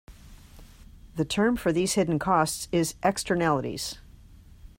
The term for these hidden costs is "Externalities".